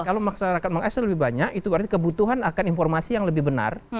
kalau masyarakat mengakses lebih banyak itu berarti kebutuhan akan informasi yang lebih benar